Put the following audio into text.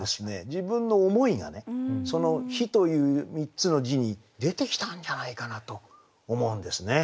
自分の思いがねその「日」という３つの字に出てきたんじゃないかなと思うんですね。